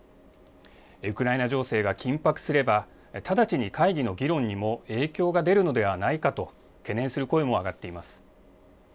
ウクライナ情勢が緊迫すれば、直ちに会議の議論にも影響が出るのではないかと、懸念する声も上がっています。